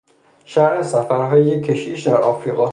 شرح سفرهای یک کشیش در آفریقا